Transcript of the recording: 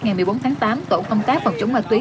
ngày một mươi bốn tháng tám tổ công tác phòng chống ma túy